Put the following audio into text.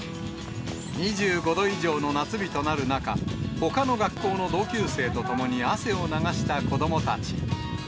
２５度以上の夏日となる中、ほかの学校の同級生と共に汗を流した子どもたち。